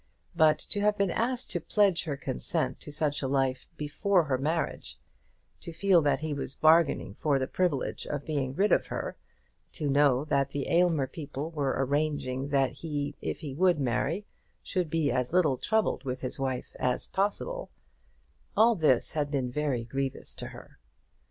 But to have been asked to pledge her consent to such a life before her marriage, to feel that he was bargaining for the privilege of being rid of her, to know that the Aylmer people were arranging that he, if he would marry her, should be as little troubled with his wife as possible; all this had been very grievous to her.